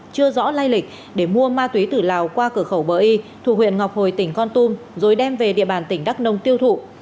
chưa rõ lai lịch để mua ma túy từ lào qua cửa khẩu bờ y thuộc huyện ngọc hồi tỉnh con tum rồi đem về địa bàn tỉnh đắk nông tiêu thụ